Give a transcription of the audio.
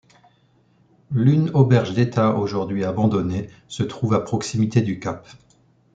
L', une auberge d’État — aujourd'hui abandonnée — se trouve à proximité du cap.